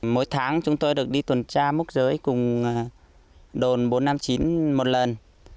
mỗi tháng chúng tôi được đi tuần tra mốc giới cùng đồn bốn trăm năm mươi chín một lần